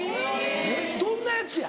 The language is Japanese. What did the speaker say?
えっどんなやつや？